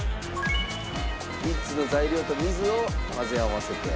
「３つの材料と水を混ぜ合わせて」